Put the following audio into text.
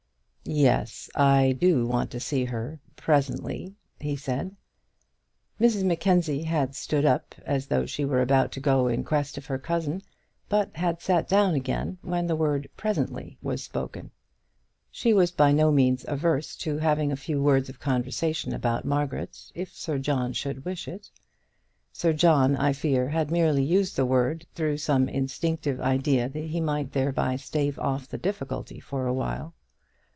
"Yes, I do want to see her presently," he said. Mrs Mackenzie had stood up as though she were about to go in quest of her cousin, but had sat down again when the word presently was spoken. She was by no means averse to having a few words of conversation about Margaret, if Sir John should wish it. Sir John, I fear, had merely used the word through some instinctive idea that he might thereby stave off the difficulty for a while.